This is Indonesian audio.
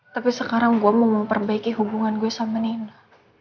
tapi sekarang gue mau memperbaiki hubungan gue sama nina